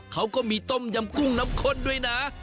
เขาก็มีต้มยำกุ้งน้ำข้นด้วยนะ